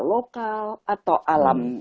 lokal atau alam